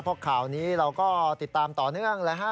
เพราะข่าวนี้เราก็ติดตามต่อเนื่องเลยฮะ